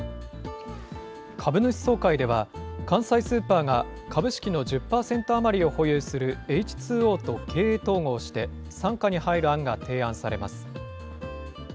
株主総会では、関西スーパーが株式の１０％余りを保有するエイチ・ツー・オーと経営統合して、傘下に入る案が提案されます。